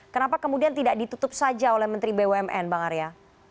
kenapa kemudian tidak ditutup saja oleh menteri bumn bang arya